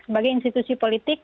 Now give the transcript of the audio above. sebagai institusi politik